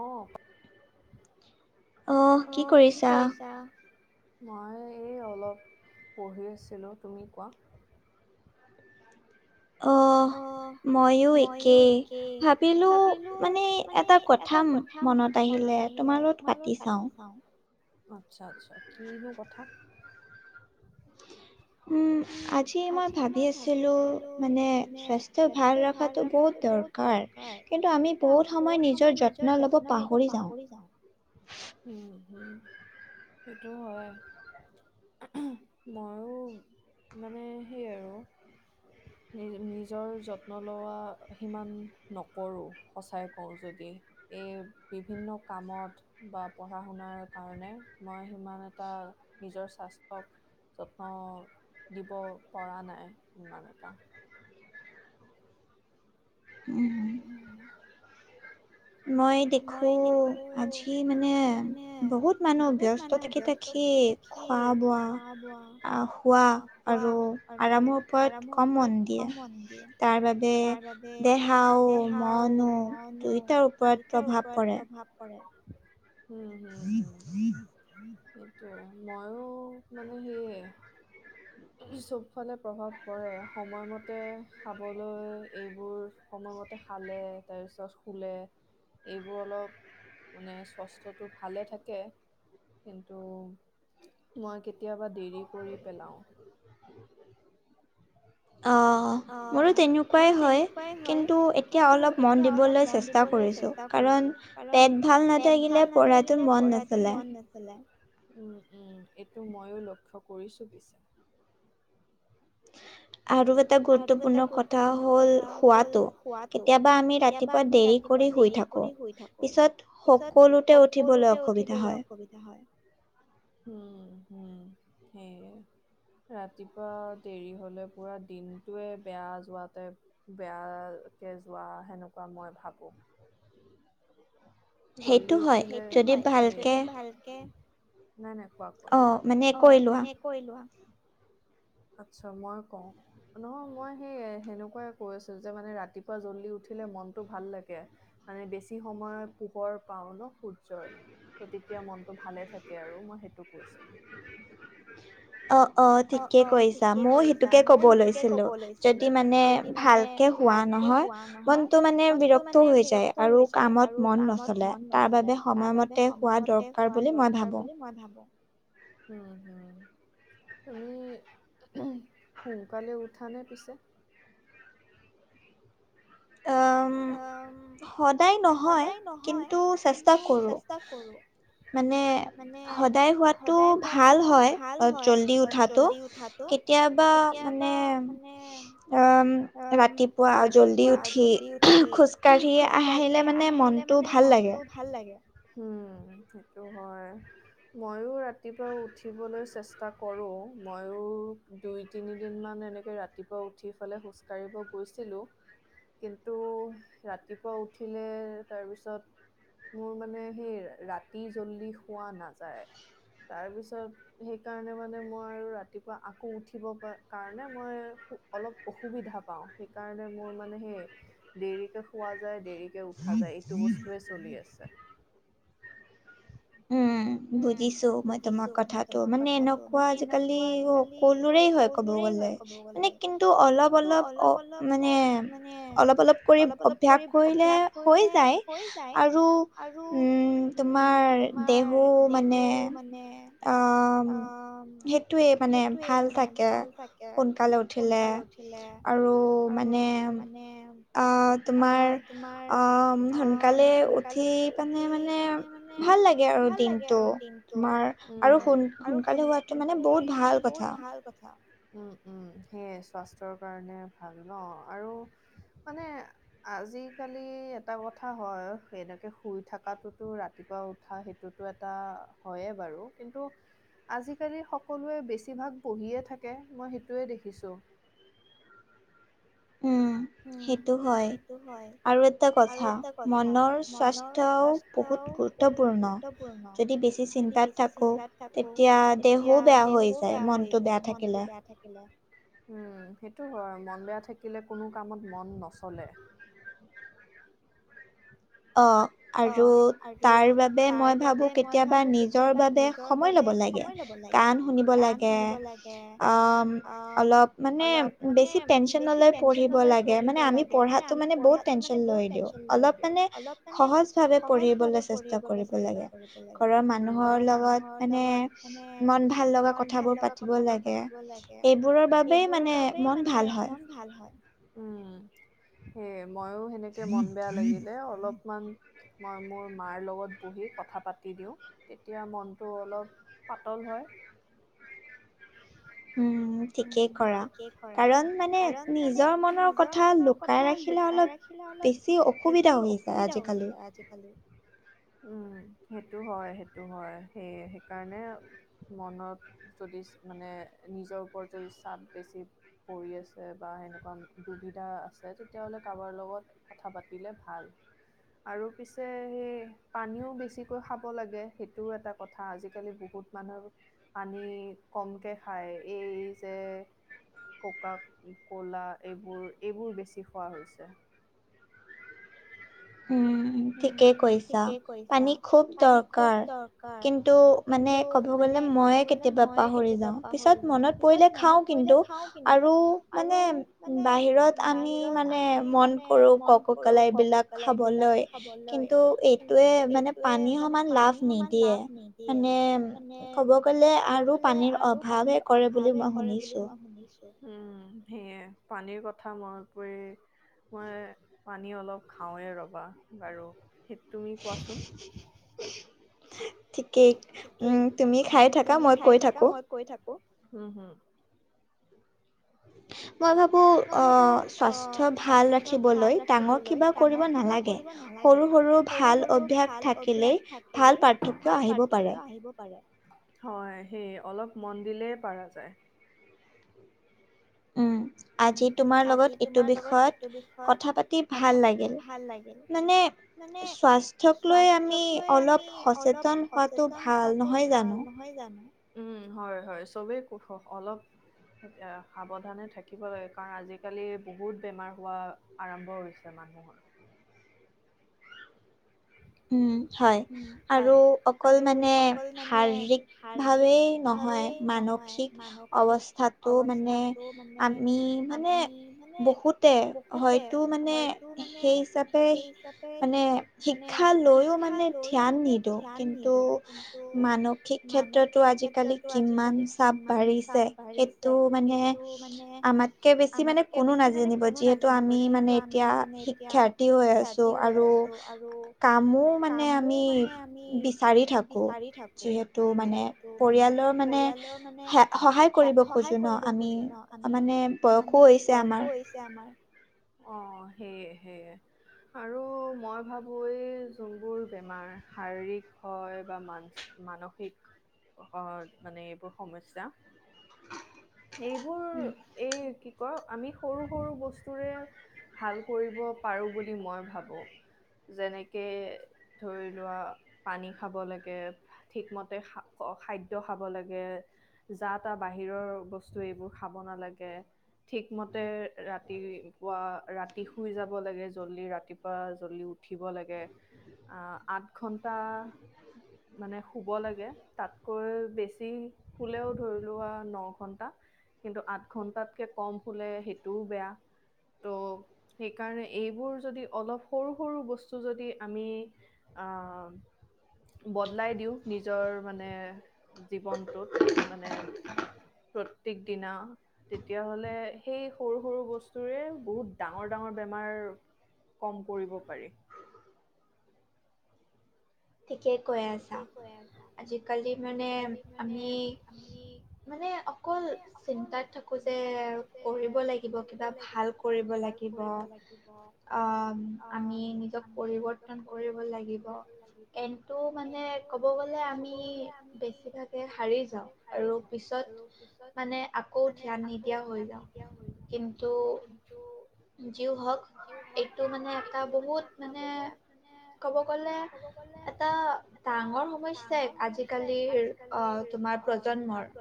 উঅ অহ কি কৰিছা মই এই অলপ পঢ়ি আছিলোঁ তুমি কোৱা অ ময়ো একেই ভাবিলোঁ মানে এটা কথা মনত আহিলে তোমাৰ লগত পাতি চাওঁ আচ্ছা আচ্ছা কিনো কথা উম আজি মই ভাবি আছিলো মানে স্বাস্থ্য ভাল ৰখাটো বহুত দৰকাৰ কিন্তু আমি বহুত সময় নিজৰ যত্ন ল'ব পাহৰি যাওঁ উ সেইটো হয় ময়ো মানে সেই আৰু নিজৰ যত্ন লোৱা সিমান নকৰো সচাই কওঁ যদি এই বিভিন্ন কামত বা পঢ়া শুনাৰ কাৰণে মই সিমান এটা নিজৰ স্বাস্থ্যক যত্ন দিব পৰা নাই ইমান এটা উম উম মই দেখো আজি মানে বহুত মানুহ ব্যস্ত থাকি থাকি খোৱা বোৱা আহ শুৱা আৰু আৰামৰ ওপৰত কম মন দিয়ে তাৰ বাবে দেহাও মনো দুই। তাৰ ওপৰত। তেওঁৰ ওপৰত প্ৰভাৱ প- [inaudible] [unintelligible] হু-হু -হু। সেইটোৱে ময়ো মানে সেয়ে চব ফালে প্ৰভাৱ পৰে। সময়মতে খাবলৈ, এইবোৰ সময়মতে খালে তাৰপিছত শুলে। এইবোৰ অলপ মানে স্বস্থ্যটো ভালে থাকে কিন্তু মই কে- কেতিয়াবা দেৰি কৰি পেলাও। [inaudible] [unintelligible] অহ মোৰো তেনেকুৱাই হয় কিন্তু এতিয়া অলপ মন দিবলৈ চেষ্টা কৰিছো। কাৰণ পেট ভাল নাথাকিলে পঢ়াটো মন নাচলায়। উ-উ এইটো ময়ো লক্ষ্য কৰিছো পিছে। আৰু এটা গুৰুত্বপূৰ্ণ কথা হ'ল শোৱাটো। কেতিয়াবা আমি ৰাতিপুৱা দেৰি কৰি শুই থাকো পিছত সকলোতে উঠিবলৈ অসুবিধা হয়। হুম-হুম সেয়ে ৰাতিপুৱা দেৰি হ'লে পুৰা দিন - এটোৱে বেয়া যোৱাতে বেয়াকে যোৱা সেনেকুৱা মই ভাবোঁ। জলি উঠিলে সেইটো হয় যদি ভালকে। নাই নাই। অ মানে কৈ লোৱা। আতছা মই কওঁ নহয় মই সেই সেনেকুৱাই কৈ আছো যে মানে ৰাতিপুৱা জলদি উঠিলে মনটো ভাল লাগে মানে বেছি সময়ত। পোহৰ পাও ন সূৰ্যৰ তেতিয়া মনটো ভালে থাকে আৰু মই সেইটো কৈছিলোঁ। অ ঠিকেই কৈছা ময়ো সেইটোকে কব লৈছিলোঁ যদি মানে ভালকে হোৱা নহয় মনটো মানে বিৰক্ত হৈ যায় আৰু কামত মন নচলে তাৰ বাবে সময়মতে হোৱা দৰকাৰ বুলি মই ভাবোঁ। উম হম। তুমি সোনকালে উঠা নে পিছে। সদায় নহয় কিন্তু চেষ্টা কৰোঁ মানে সদায় হোৱটো ভাল হয় জল্দি উঠাটো কেতিয়াবা মানে ৰাতিপুৱা জল্দি উঠ। জল্দি উ। উঠি খোজ কাঢ়ি আহিলে মানে মনটো ভাল লাগে? উম সেইটো হয় মইও ৰাতিপুৱা উঠিবলৈ চেষ্টা কৰোঁ ময়ও দুই তিনিদিন মান এনেকে ৰাতিপুৱা উঠি ফালে খোজ কাঢ়িব গৈছিলো। তো ৰাতিপুৱা উঠিলে তাৰপিছত মোৰ মানে সেই ৰাতি জল্দি শোৱা নাযায় তাৰপিছত সেইকাৰণে মানে মই আৰু ৰাতিপুৱা আকৌ উঠিব কাৰণে মই অলপ অসুবিধা পাওঁ সেইকাৰণে মোৰ মানে সেই। দেৰিকে খোৱা যায় দেৰি কে। কে উঠা যায় এইটো বস্তুৱে? চলি আছে? উম বুজিছো মই তোমাৰ কথাটো মানে এনেকুৱা আজিকালি সকলোৰে হয় ক'ব গলে মানে কিন্তু অলপ অলপ অ মানে অলপ অলপ কৰি অভ্যাস কৰিলে হৈ যায় আৰু উম তোমাৰ? আমাৰ? মানে সেইটোৱেই মানে ভাল থাকে সোনকালে উঠিলে আৰু মানে তোমাৰ সোনকালে উঠি পানে মানে ভাল লাগে। আৰু দিন আৰু দিনটো তোমাৰ আৰু সোনকালে শুৱাটো মানে বহুত ভাল কথা। উম উম সেয়ে স্বাস্থ্যৰ কাৰণে ভাল ন আৰু মানে আজিকালি এটা কথা হয় এনেকে শুই থকাটোতো ৰাতিপুৱা উঠা সেইটোত এটা হয়য়ে বাৰু কিন্তু আজিকালি সকলোৱে বেছিভাগ পঢ়িয়ে থাকে মই সেইটোৱে দেখিছো। ওম সেইটো হয় আৰু এটা কথা মনৰ স্বাস্থ্যও বহুত গুৰুত্বপূৰ্ণ, যদি বেছি চিন্তাত থাকোঁ তেতিয়া দেহো বেয়া হৈ যায় মনটো বেয়া থাকিলে উম সেইটো হয় মন বেয়া থাকিলে কোনো কামত মন নচলে অঁ আৰু তাৰ বাবে মই ভাবোঁ কেতিয়াবা নিজৰ বাবে সময় ল'ব লাগে গান শুনিব লাগে অলপ মানে বেছি টেনচনলৈ পঢ়িব লাগে মানে আমি পঢ়াতটো মানে বহুত টেনচন লৈ দিওঁ অলপ অলপ মানে পঢ়িবলৈ চেষ্টা কৰিব লাগে ঘৰৰ মানুহৰ লগত মানে মন ভাল লগা কথাবোৰ পাতিব লাগে এইবোৰৰ বাবেই মানে মন ভাল হয়। উম হে ময়ো সেনেকে মন বেয়া লাগিলে অলপ মান [unintelligible] মই মোৰ মাৰ লগত বহি কথা পাতি দিওঁ তেতিয়া মনটো অলপ পাতল হয়। উম ঠিকেই কৰা কাৰণ মানে নিজৰ মনৰ কথা লুকাই ৰাখিলে অলপ বেছি অসুবিধা হৈ যায় আজিকালি। উম সেইটো হয় সেইটো হয় সেই সেইকাৰণে মনত যদি মানে নিজৰ যদি চাপ বেছি পৰি আছে বা সেনেকুৱা দুবিধা আছে তেতিয়াহ'লে কাৰোবাৰ লগত কথা পাতিলে ভাল আৰু পিছে সেই পানীও বেছিকৈ খাব লাগে সেইটোও এটা কথা আজিকালি বহুত মানুহে পানী কমকে খায়। এই যে ককা ক'লা এইবোৰ এইবোৰ বেছি খোৱা হৈছে। হমম ঠিকেই কৈছা পানী খুব দৰকাৰ কিন্তু মানে ক'ব গ'লে মইে কেতিয়াবা পাহৰি যাওঁ পিছত মনত পৰিলে খাওঁ কিন্তু আৰু মানে বাহিৰত আমি মানে মন কৰোঁ কককলা এইবিলাক বলৰ [unintelligible] খাবলৈ কিন্তু এইটোৱে মানে পানী সমান লাভ নিদিয়ে মানে কব গলে আৰু পানীৰ অভাৱহে কৰে বুলি মই শুনিছো। সেয়ে পানীৰ কথা মনত পৰি মই পানী অলপ খাওঁৱেই ৰ'বা বাৰু সেইটো তুমি কোৱাচোন ঠিকেই তুমি খাই থাকা মই কৈ থাকো। উম হম মই ভাবো অহ স্বাস্থ্য ভাল ৰাখিবলৈ ডাঙৰ কিবা কৰিব নালাগে সৰু সৰু ভাল অভ্যাস থাকিলেই ভাল পাৰ্থক্য আহিব পাৰে। হয়, সেই অলপ মন দিলেই পাৰা যায়। উম' আজি তোমাৰ লগত এইটো বিষয়ত কথা পাতি ভাল লাগিল, মানে স্বাস্থ্যক লৈ আমি অলপ সচেতন হোৱাটো ভাল, নহয় জানো? উম হয়-হয় চবেই অলপ সাৱধানে থাকে থাকিব লাগে কাৰণ আজিকালি বহুত বেমাৰ হোৱা আৰম্ভ হৈছে মানুহৰ। উম হয় আৰু অকল মানে শাৰীৰিক ভাৱেই নহয়, মানসিক অৱস্থাতো মানে আমি মানে বহুতে হয়তো মানে সেই হিচাপে মানে খা লৈও মানে ধ্যান নিদিওঁ, কিন্তু মানসিক ক্ষেত্ৰতো আজিকালি কিমান চাপ বাঢ়িছে সেইটো মানে আমাতকে বেছি মানে কোনো নাজানিব যিহেতু আমি মানে এতিয়া শিক্ষাৰ্থী হৈ আছো। আৰু মো মানে আমি বিচাৰি থাকো, যিহেতু মানে পৰিয়ালৰ মানে সহায় কৰিব খোজো ন আমি? মানে বয়সো হৈছে আমাৰ। অ' সেয়ে-সেয়ে, আৰু মই ভাবো এই যোনবোৰ বেমাৰ শাৰীৰিক হয় বা মান-মানসিক মানে এইবোৰ সম এইবোৰ এই কি আমি সৰু-সৰু বস্তুৰে ভাল কৰিব পাৰো বুলি মই ভাবো, যেনেকে কে ধৰি লোৱা পানী খাব লাগে, ঠিকমতে খাদ্য খাব লাগে, যা-তা বাহিৰৰ বস্তু এইবোৰ খাব নালাগে, ঠিকমতে ৰাতিপুৱা ৰাতি শুই যাব লাগে, জল্দি ৰাতিপুৱা জল্দি উঠিব লাগে। আহ আঠ ঘন্টা মানে শুব লাগে, তাতকৈ বেছি শুলেও ধৰি লোৱা ন ঘন্টা, কিন্তু আঠ ঘন্টাতকে কম শুলে সেইটোও বেয়া ত' সেইকাৰণে এইবোৰ যদি অলপ সৰু-সৰু বস্তু যদি আমি আহ বদলাই দিওঁ নিজৰ মানে জীৱনটোত মানে প্ৰত্যেক দিনা তেতিয়াহলে সেই সৰু-সৰু বস্তুৰে বহুত ডাঙৰ-ডাঙৰ বেমাৰ কম কৰিব পাৰি। ঠিকেই কৈ আছা। আজিকালি মানে আমি মানে অকল চিন্তাত থাকো যে কৰিব লাগিব কিবা ভাল কৰিব লাগিব আহ আমি নিজক পৰিৱৰ্তন কৰিব লাগিব। এ তটো মানে ক'ব গ'লে আমি বেছিভাগে হাৰি যাওঁ, আৰু পিছত মানে আকৌ ধ্যান নিদিয়া হৈ যাওঁ। কিন্তু যিও হওক, এইটো মানে এটা বহুত মানে কব গলে এটা ডাঙৰ সমস্যাই আজিকালিৰ আহ তোমাৰ প্ৰজন্মৰ।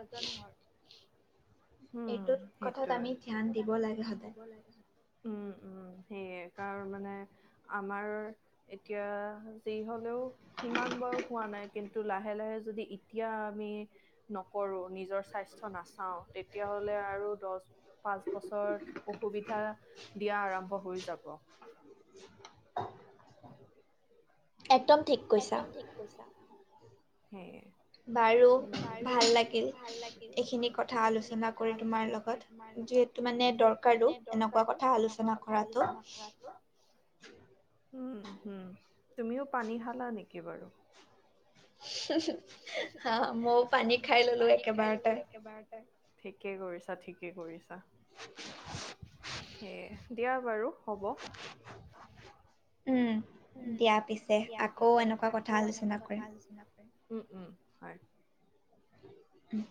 উম সেইটো, আমি ধ্যান দিব লাগিব। উম-উম সেয়ে কাৰণ মানে আমাৰ এতিয়া যি হলেও সিমান বয়স হোৱা নাই কিন্তু লাহে-লাহে যদি এতিয়া আমি নকৰো, নিজৰ স্বাস্থনাচাও, তেতিয়াাহলে আৰু দহ পাঁচ বছৰত অসুবিধা দিয়া আৰম্ভ হৈ যাব। একদম ঠিক কৈছা। সেই বাৰু ভাল লাগিল, এইখিনি কথা আলোচনা কৰি তোমাৰ লগত। সেইটো মানে দৰকাৰো এনেকুৱা কথা আলোচনা কৰাটো। উম-উম তুমিও পানী শাক বাৰু হা মইও পানী খাই ললো একেবাৰতে। ঠিকেই কৰিছা-ঠিকেই কৰিছা। সেই। দিয়া বাৰু, হ'ব। উম দিয়া পিছে আকৌ এনেকুৱা কথা আলোচনা কৰিম। উম-উম হয়। উম।